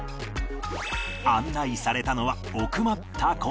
案内されたのは奥まった個室